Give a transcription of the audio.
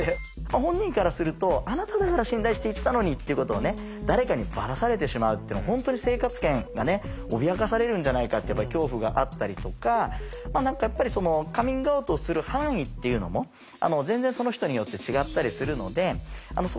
本人からするとあなただから信頼して言ったのにっていうことを誰かにばらされてしまうっていうのは本当に生活圏が脅かされるんじゃないかっていう恐怖があったりとか何かやっぱりカミングアウトをする範囲っていうのも全然その人によって違ったりするのでそこだけはご注意頂きたいんですけど。